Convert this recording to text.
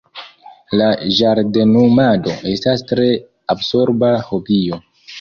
La ĝardenumado estas tre absorba hobio!